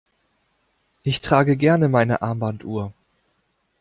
Ich trage gerne meine Armbanduhr.